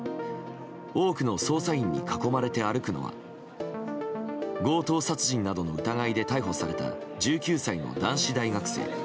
多くの捜査員に囲まれて歩くのは強盗事件などの疑いで逮捕された１９歳の男子大学生。